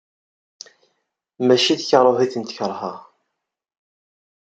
Mačči d karuh i tent-ikreh.